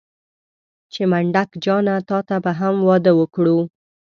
چې منډک جانه تاته به هم واده وکړو.